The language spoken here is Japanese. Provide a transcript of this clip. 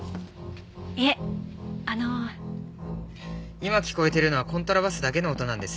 今聞こえてるのはコントラバスだけの音なんです。